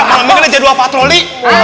malam ini ada jadwal patroli